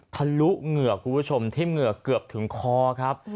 ผลุเงือกผู้ประชุมทิ้มเงือกเกือบถึงคอครับ